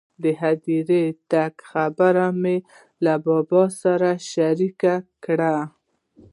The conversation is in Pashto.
د هدیرې تګ خبره مې له بابا سره شریکه کړه.